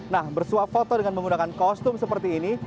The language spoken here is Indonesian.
nah bersuap foto dengan menggunakan kostum seperti ini